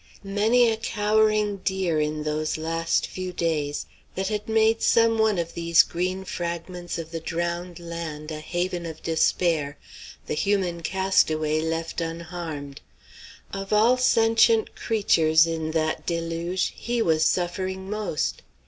Many a cowering deer in those last few days that had made some one of these green fragments of the drowned land a haven of despair, the human castaway left unharmed. Of all sentient creatures in that deluge he was suffering most.